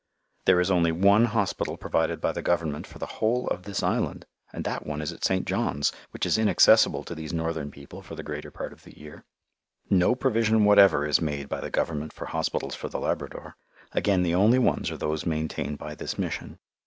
There is only one hospital provided by the Government for the whole of this island, and that one is at St. John's, which is inaccessible to these northern people for the greater part of the year. No provision whatever is made by the Government for hospitals for the Labrador. Again the only ones are those maintained by this Mission.